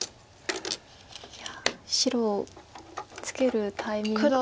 いや白ツケるタイミングは。